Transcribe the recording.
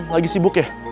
lagi sibuk ya